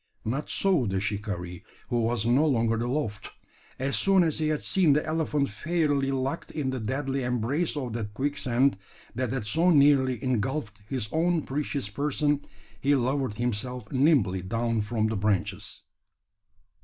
Not so the shikaree, who was no longer aloft. As soon as he had seen the elephant fairly locked in the deadly embrace of that quicksand that had so nearly engulfed his own precious person, he lowered himself nimbly down from the branches.